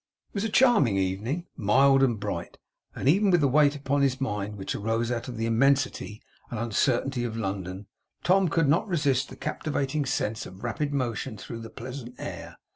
It was a charming evening. Mild and bright. And even with the weight upon his mind which arose out of the immensity and uncertainty of London, Tom could not resist the captivating sense of rapid motion through the pleasant air.